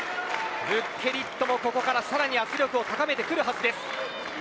ブッケリットもここからさらに圧力を高めてくるはずです。